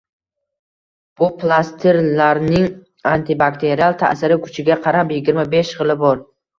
Bu plastirlarning antibakterial ta’siri kuchiga qarab yigirma besh xili bor.